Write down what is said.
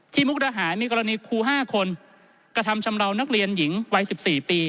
มุกดาหารมีกรณีครู๕คนกระทำชำราวนักเรียนหญิงวัย๑๔ปี